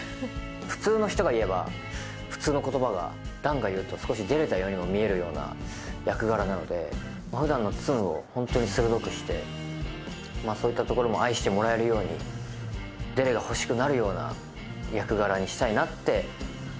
普通の人が言えば普通の言葉が弾が言うと少しデレたようにも見えるような役柄なのでふだんのツンを本当に鋭くしてそういったところも愛してもらえるようになって思ってだと思うんですよ